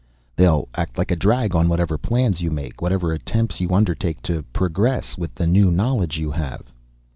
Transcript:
They'll act like a drag on whatever plans you make, whatever attempts you undertake to progress with the new knowledge you have."